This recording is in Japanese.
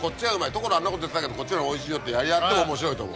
所あんなこと言ってたけどこっちのほうがおいしい」ってやり合って面白いと思う。